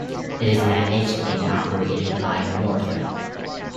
It is managed and operated by Northern.